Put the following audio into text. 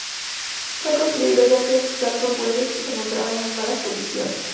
Fue construido ya que el Salford Willows se encontraba en muy malas condiciones.